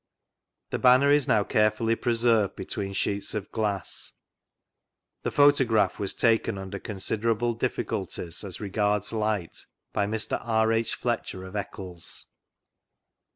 The Banner is now carefully preserved between sheets of glass. The [diotograph was taken under considerable difficulties as regards light by Mr. R.H.Fletcher, of Eccles.